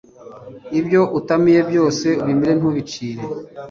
ibyo utamiye byose ubimire ntubicire